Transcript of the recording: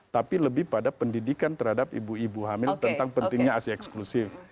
tapi lebih pada pendidikan terhadap ibu ibu hamil tentang pentingnya asli eksklusif